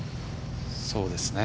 そうですね。